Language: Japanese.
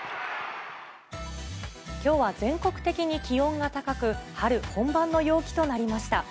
きょうは全国的に気温が高く、春本番の陽気となりました。